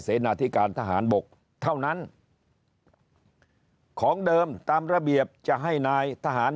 นาธิการทหารบกเท่านั้นของเดิมตามระเบียบจะให้นายทหาร